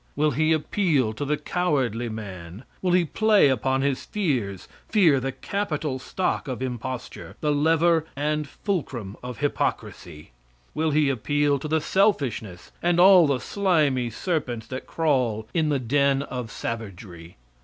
Will he appeal to the cowardly man? Will he play upon his fears fear, the capital stock of imposture, the lever and fulcrum of hypocrisy? Will he appeal to the selfishness and all the slimy serpents that crawl in the den of savagery?